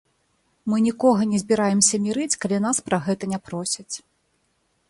Мы нікога не збіраемся мірыць, калі нас пра гэта не просяць.